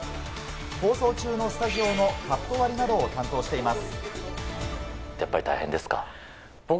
放送中のスタジオのカット割りなどを担当しています。